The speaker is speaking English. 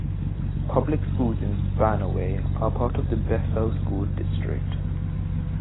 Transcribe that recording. Public schools in Spanaway are part of the Bethel School District.